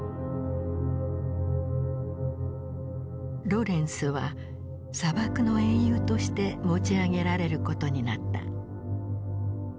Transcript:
ロレンスは砂漠の英雄として持ち上げられることになった。